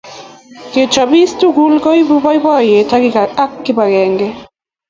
Kechopis tugul koipu boiboiyet ak kipakenge